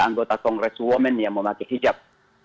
anggota kongres women yang memakai hijab